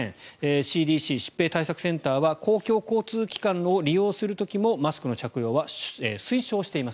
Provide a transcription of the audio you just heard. ＣＤＣ・疾病対策センターは公共交通機関を利用する時もマスクの着用は推奨しています。